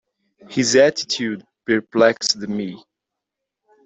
His attitude perplexed me.